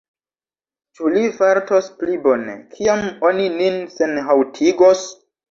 Ĉu li fartos pli bone, kiam oni nin senhaŭtigos?